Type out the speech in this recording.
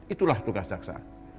itulah tugas jaksa